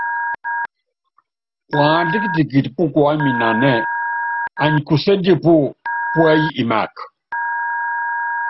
Puándá kitikiti púkuáminanɛ́ɛ, anyikuséndi pú púɛyi imaka.